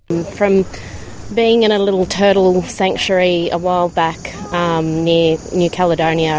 dari berada di penjara turtel yang sedikit lama lalu di new caledonia